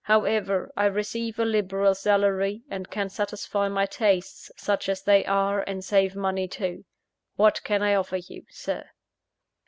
However, I receive a liberal salary, and can satisfy my tastes, such as they are, and save money too. What can I offer you, Sir?"